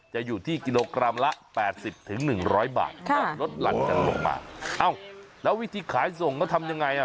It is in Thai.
จะอยู่ที่กิโลกรัมละ๘๐๑๐๐บาทรถหลั่นกันลงมาเอ้าแล้ววิธีขายส่งก็ทำยังไง